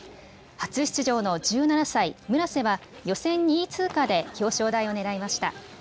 初出場の１７歳、村瀬は予選２位通過で表彰台をねらいました。